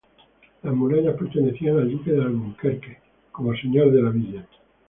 Las murallas pertenecían al duque de Alburquerque como señor de la villa.